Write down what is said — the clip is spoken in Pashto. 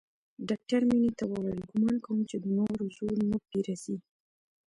ډاکتر مينې ته وويل ګومان کوم چې د نورو زور نه پې رسي.